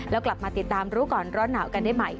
แล้วกลับมาติดตามรู้ก่อนร้อนหนาวกันได้ใหม่